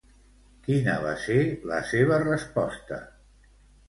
Quina va ser la seva resposta?